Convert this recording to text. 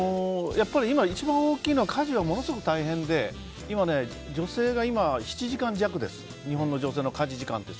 今、一番大きいのは家事はものすごく大変で今、女性が７時間弱です日本の女性の家事時間って。